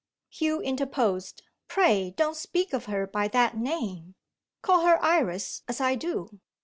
Hugh interposed: "Pray don't speak of her by that name! Call her 'Iris,' as I do."